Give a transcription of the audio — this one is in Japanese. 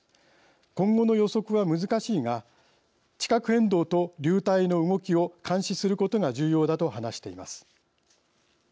今後の予測は難しいが地殻変動と流体の動きを監視することが重要だと話しています。